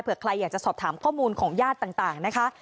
เพื่อใครอยากจะสอบถามข้อมูลของญาติต่างนะคะ